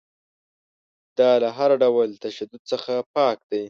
دا له هر ډول تشدد څخه پاک دی.